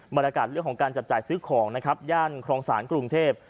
บรรยากาศเรื่องของการจับจ่ายซื้อของนะครับย่านครองศาลกรุงเทพ